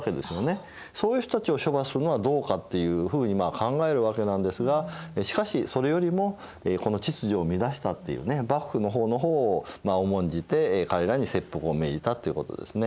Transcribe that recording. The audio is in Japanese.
そういう人たちを処罰するのはどうかというふうに考えるわけなんですがしかしそれよりもこの秩序を乱したという幕府の法の方を重んじて彼らに切腹を命じたっていうことですね。